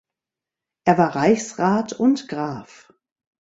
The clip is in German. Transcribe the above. Er war Reichsrat und Graf.